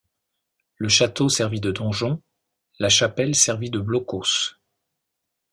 Le château servit de donjon, la chapelle servit de blockhaus.